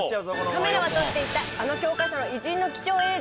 カメラは撮っていたあの教科書の偉人の貴重映像。